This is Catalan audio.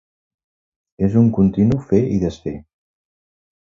És un continu fer i desfer.